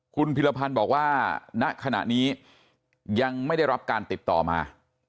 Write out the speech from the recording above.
คุณพิรพันธ์บอกว่าณขณะนี้ยังไม่ได้รับการติดต่อมา